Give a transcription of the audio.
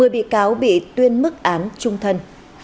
một mươi bị cáo bị tuyên mức án trung thân